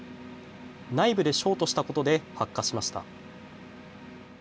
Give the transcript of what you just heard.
内部でショートしたことで発火しました。